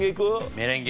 メレンゲ。